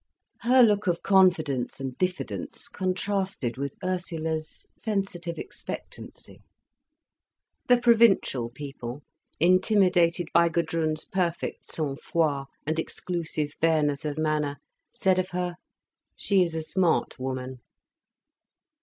Her look of confidence and diffidence contrasted with Ursula's sensitive expectancy. The provincial people, intimidated by Gudrun's perfect sang froid and exclusive bareness of manner, said of her: "She is a smart woman."